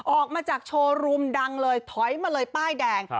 ออกมาจากโชว์รูมดังเลยถอยมาเลยป้ายแดง